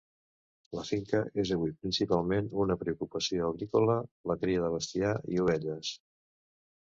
La finca és avui principalment una preocupació agrícola, la cria de bestiar i ovelles.